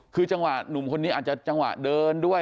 คือจังหวะหนุ่มคนนี้อาจจะจังหวะเดินด้วย